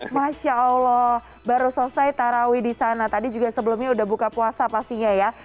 masya allah baru selesai tarawih di sana tadi juga sebelumnya udah buka puasa pastinya ya